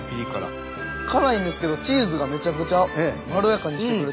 辛いんですけどチーズがめちゃくちゃまろやかにしてくれてます。